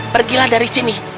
pergilah dari sini